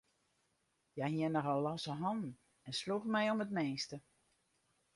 Hja hie nochal losse hannen en sloech my om it minste.